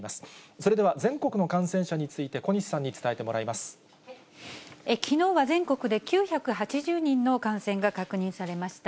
それでは全国の感染者について、きのうは全国で９８０人の感染が確認されました。